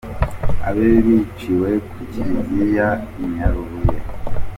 Abe biciwe ku Kiliziya i Nyarubuye.